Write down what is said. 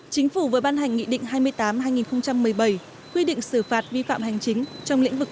chính phủ vừa ban hành nghị định hai mươi tám hai nghìn một mươi bảy quy định xử phạt vi phạm hành chính trong lĩnh vực